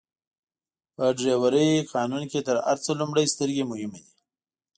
په ډرایورۍ قانون کي تر هر څه لومړئ سترګي مهمه دي.